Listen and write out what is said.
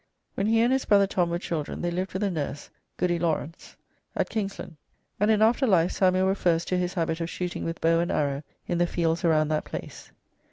When he and his brother Tom were children they lived with a nurse (Goody Lawrence) at Kingsland, and in after life Samuel refers to his habit of shooting with bow and arrow in the fields around that place.